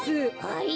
はい！？